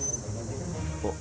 おっ。